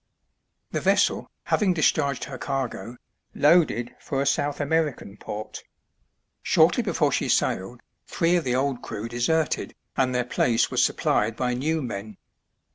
The vessel, having discharged her cargo, loaded for a South American port. Shortly before she sailed three of the old crew deserted, and their place was supplied by new men.